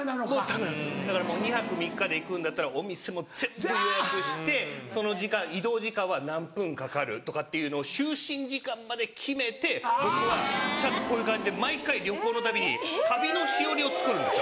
ダメなんですだから２泊３日で行くんだったらお店も全部予約してその時間移動時間は何分かかるとかっていうのを就寝時間まで決めて僕はちゃんとこういう感じで毎回旅行のたびに旅のしおりを作るんです。